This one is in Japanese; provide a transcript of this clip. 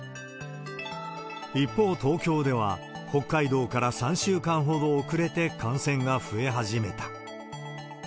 一方、東京では北海道から３週間ほど遅れて感染が増え始めた。